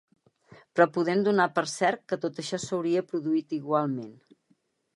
Però podem donar per cert que tot això s’hauria produït igualment.